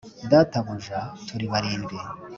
“databuja! turi barindwi. ”